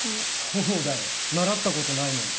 そうだよ習ったことないのに。